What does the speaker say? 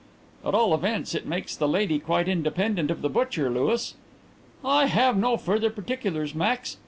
"At all events it makes the lady quite independent of the butcher, Louis!" "I have no further particulars, Max.